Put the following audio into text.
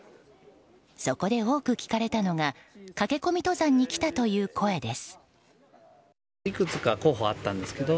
そこで多く聞かれたのが駆け込み登山に来たという声です。